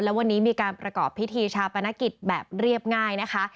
และวันนี้มีการประกอบพิธีชาปนกิจแบบเรียบง่ายนะคะ